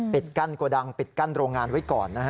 ปิดกั้นกระดังปิดกั้นโรงงานไว้ก่อนนะครับ